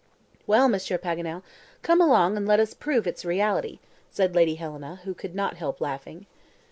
"Well, Monsieur Paganel, come along and let us prove its reality," said Lady Helena, who could not help laughing.